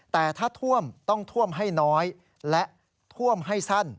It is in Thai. แต่ถ้าท่วมต้องท่วมให้น้อยและท่วมให้สั้น